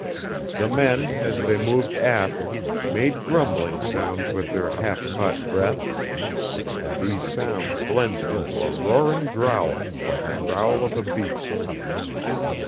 The men, as they moved aft, made grumbling sounds with their half caught breath; and these sounds blended into a roaring growl like the growl of a beast.